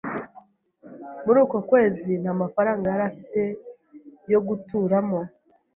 Muri uko kwezi, nta mafaranga yari afite yo guturamo